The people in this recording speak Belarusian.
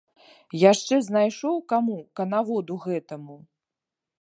Яшчэ знайшоў каму, канаводу гэтаму?!